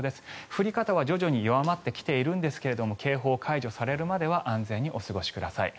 降り方は徐々に弱まってきているんですが警報解除されるまでは安全にお過ごしください。